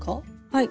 はい。